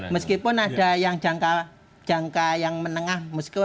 meskipun ada yang jangka yang menengah